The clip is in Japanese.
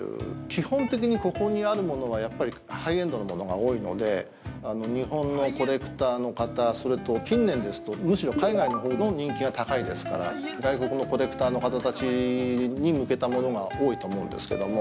基本的にここにあるものはハイエンドなものが多いので日本のコレクターの方それと近年ですとむしろ海外のほうの人気が高いですから外国のコレクター方たちに向けたものが多いと思うんですけども。